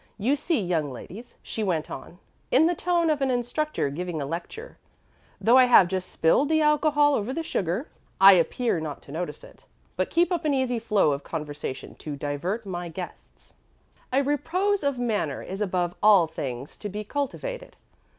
You see, young ladies," she went on, in the tone of an instructor giving a lecture, "though I have just spilled the alcohol over the sugar, I appear not to notice it, but keep up an easy flow of conversation to divert my guests. A repose of manner is above all things to be cultivated."